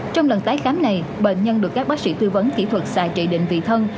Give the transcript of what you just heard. trong lần tái khám này bệnh nhân được các bác sĩ tư vấn kỹ thuật xài trị định vị thân